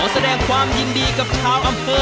แสดงความยินดีกับชาวอำเภอ